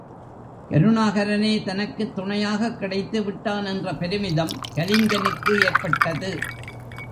கருணாகரனே தனக்குத் துணையாகக் கிடைத்துவிட்டான் என்ற பெருமிதம் கலிங்கனுக்கு ஏற்பட்டது.